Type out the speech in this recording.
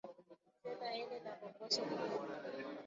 Tezi ini na kongosho kuvimba